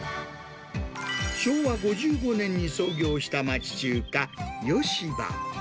昭和５５年に創業した町中華、芳葉。